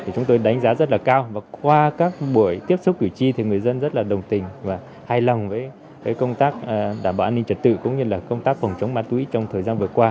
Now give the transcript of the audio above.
chúng tôi đánh giá rất là cao và qua các buổi tiếp xúc cử tri thì người dân rất là đồng tình và hài lòng với công tác đảm bảo an ninh trật tự cũng như là công tác phòng chống ma túy trong thời gian vừa qua